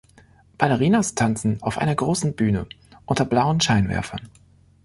Ballerinas tanzen auf einer großen Bühne unter blauen Scheinwerfern.